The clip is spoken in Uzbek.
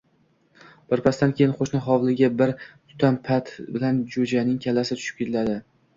Birpasdan keyin qo‘shni hovliga bir tutam pat bilan jo‘janing kallasi tushib keladi